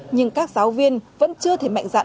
nhưng các giáo viên vẫn chưa thể mạnh dạn